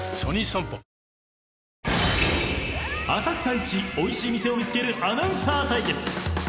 ［浅草いちおいしい店を見つけるアナウンサー対決］